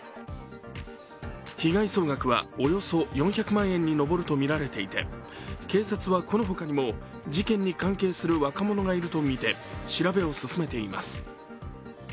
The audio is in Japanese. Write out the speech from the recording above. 被害総額はおよそ４００万円に上るとみられていて警察はこの他にも事件に関係する若者がいるとみて調べを進めています。